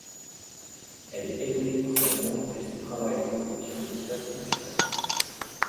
Elle est élevée pour sa viande et son travail d'entretien de l'espace naturel.